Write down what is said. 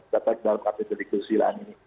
datang ke dalam artikel di kursi lain ini